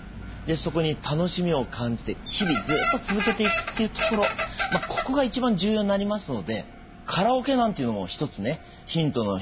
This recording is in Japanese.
そこに楽しみを感じて日々ずっと続けていくっていうところここが一番重要になりますのでカラオケなんていうのもひとつねヒントの一つかなと思うんですね。